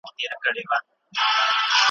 هغه بل د پیر په نوم وهي جېبونه ,